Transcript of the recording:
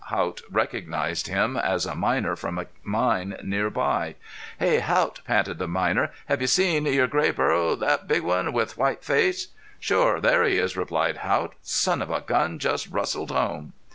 Haught recognized him as a miner from a mine nearby. "Hey Haught," panted the miner, "hev you seen your gray burro thet big one with white face?" "Shore, there he is," replied Haught. "Son of a gun jest rustled home."